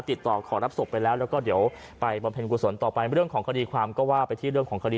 ติดต่อขอรับศพไปแล้วแล้วก็เดี๋ยวไปบำเพ็ญกุศลต่อไปเรื่องของคดีความก็ว่าไปที่เรื่องของคดี